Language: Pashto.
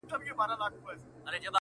o دا ستا شعرونه مي د زړه آواز دى.